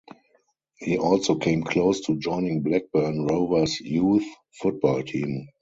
He also came close to joining Blackburn Rovers' youth football team.